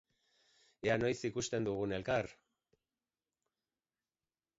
Ea noiz ikusten dugun elkar.